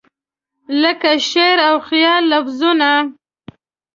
لکه شعر او خیال لفظونه